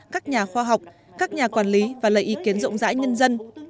các nhà khoa học các nhà quản lý và lấy ý kiến rộng rãi nhân dân